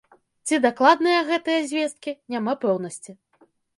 Ці дакладныя гэтыя звесткі, няма пэўнасці.